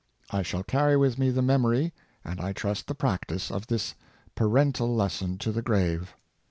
I shall carry with me the memory, and I trust the practice, of this parental lesson to the grave.